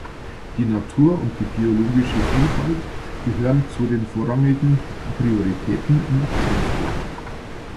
Die Natur und die biologische Vielfalt gehören zu den vorrangigen Prioritäten im Aktionsplan.